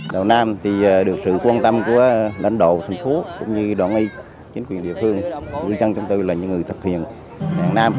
đầu năm thì được sự quan tâm của lãnh đạo thành phố cũng như đoàn y chính quyền địa phương ngư dân trong tư là những người thực hiện hàng năm